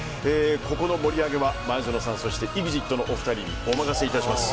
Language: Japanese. ここの盛り上げは前園さんそしてＥＸＩＴのお二人にお任せいたします。